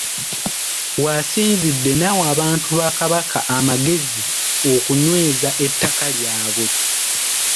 W’asinzidde n’awa abantu ba Kabaka amagezi okunyweza ettaka lyabwe.